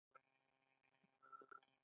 د ژورنالیزم رول د رڼا راوړل دي.